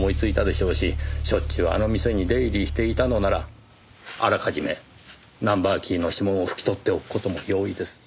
しょっちゅうあの店に出入りしていたのならあらかじめナンバーキーの指紋を拭き取っておく事も容易です。